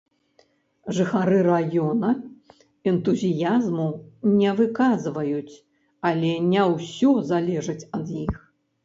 Жыхары раёна энтузіязму не выказваюць, але не ўсё залежыць ад іх.